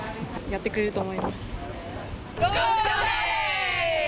やってくれると思います。